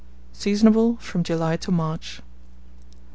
Seasonable from July to March.